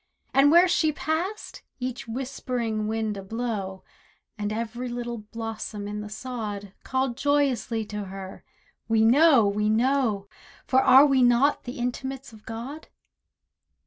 And where she passed, each whispering wind ablow, And every little blossom in the sod, Called joyously to her, "We know, we know, For are we not the intimates of God?"